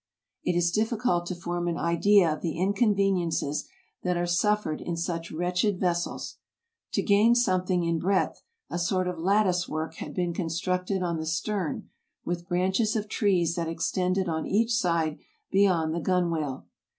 It is difficult to form an idea of the inconveniences that are suffered in such wretched ves sels. To gain something in breadth, a sort of lattice work had been constructed on the stern with branches of trees that extended on each side beyond the gunwale.